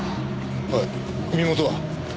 おい身元は？